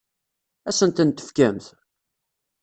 Ad asen-ten-tefkemt?